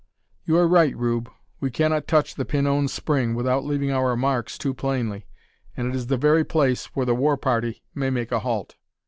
"You are right, Rube. We cannot touch the Pinon spring without leaving our marks too plainly; and it is the very place where the war party may make a halt."